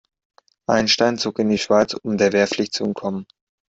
Einstein zog in die Schweiz, um der Wehrpflicht zu entkommen.